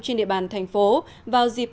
trên địa bàn thành phố vào dịp